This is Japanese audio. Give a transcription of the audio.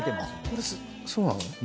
これそうなの？